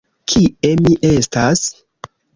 Kie mi estas?